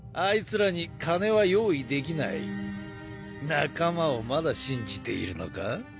仲間をまだ信じているのか？